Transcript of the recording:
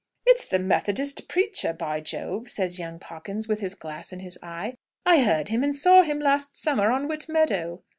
"It's the Methodist preacher, by Jove!" says young Pawkins with his glass in his eye. "I heard him and saw him last summer on Whit Meadow."